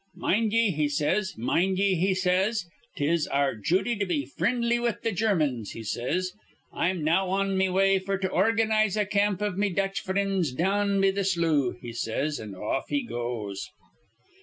'Mind ye,' he says, 'mind ye,' he says, ''tis our jooty to be frindly with th' Germans,' he says. 'I'm now on me way f'r to organize a camp iv me Dutch frinds down be th' slough,' he says. An' off he goes.